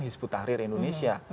hizbut tahrir indonesia